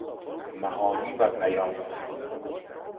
معانی و بیان